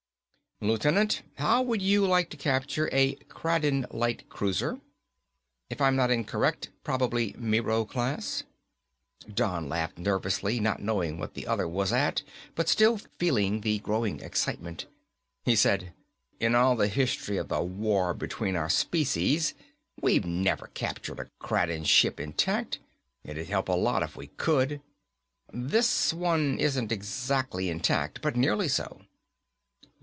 "Lieutenant, how would you like to capture a Kraden light cruiser? If I'm not incorrect, probably Miro class." Don laughed nervously, not knowing what the other was at but still feeling the growing excitement. He said, "In all the history of the war between our species, we've never captured a Kraden ship intact. It'd help a lot if we could." "This one isn't exactly intact, but nearly so."